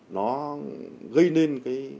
nó gây nên